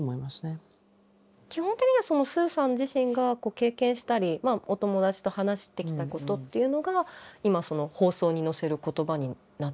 基本的にはスーさん自身が経験したりお友達と話してきたことっていうのが今放送に乗せる言葉になっているんでしょうかね？